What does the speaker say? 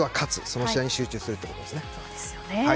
その試合に集中するってことですね。